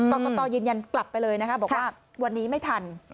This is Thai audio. กรกตยืนยันกลับไปเลยนะคะบอกว่าวันนี้ไม่ทัน